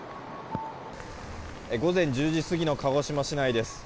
午前１０時過ぎの鹿児島市内です。